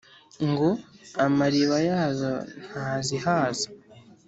Ngo amariba yazo ntazihaza